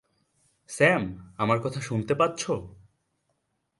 Sam, আমার কথা শুনতে পাচ্ছো?